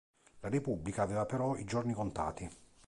La Repubblica aveva però i giorni contati.